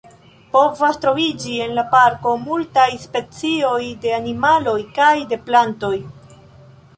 Povas troviĝi en la parko multaj specioj de animaloj kaj de plantoj.